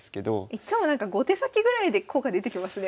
いつもなんか５手先ぐらいで効果出てきますね